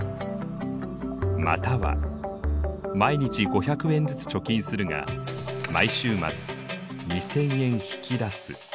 または毎日５００円ずつ貯金するが毎週末２０００円引き出す。